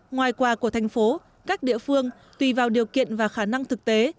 ngoài quà của thành phố các địa phương tùy vào điều kiện và khả năng thực tế